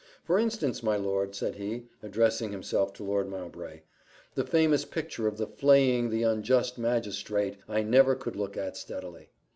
"For instance, my lord," said he, addressing himself to Lord Mowbray, "the famous picture of the flaying the unjust magistrate I never could look at steadily."